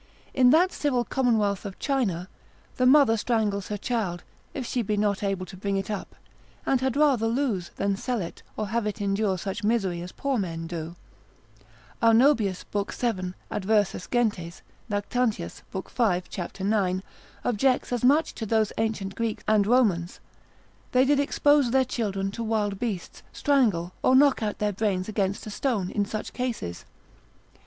In that civil commonwealth of China, the mother strangles her child, if she be not able to bring it up, and had rather lose, than sell it, or have it endure such misery as poor men do. Arnobius, lib. 7, adversus gentes, Lactantius, lib. 5. cap. 9. objects as much to those ancient Greeks and Romans, they did expose their children to wild beasts, strangle, or knock out their brains against a stone, in such cases.